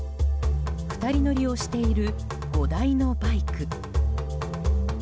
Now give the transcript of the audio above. ２人乗りをしている５台のバイク。